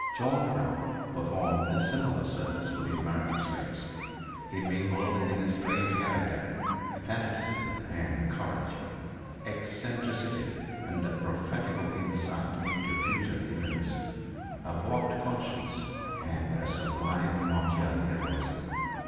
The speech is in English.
John Brown performed a similar service for the American slaves. He mingled in his strange character fanaticism and courage eccentricity and a prophetical insight into future events a warped conscience and a sublime martyr heroism.